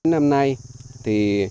năm nay thì